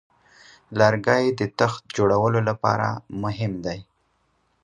لرګی د تخت جوړولو لپاره مهم دی.